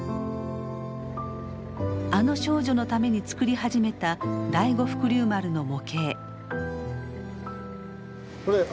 あの少女のために作り始めた第五福竜丸の模型。